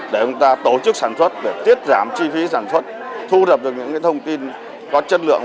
để chúng ta tổ chức sản xuất để tiết giảm chi phí sản xuất thu dập được những thông tin có chất lượng